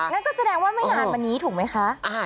นั่นก็แสดงว่าไม่นานมานี้ถูกไหมคะ